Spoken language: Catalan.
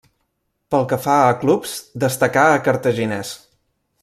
Pel que fa a clubs, destacà a Cartaginés.